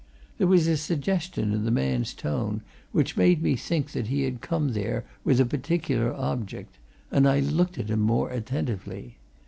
There was a suggestion in the man's tone which made me think that he had come there with a particular object, and I looked at him more attentively.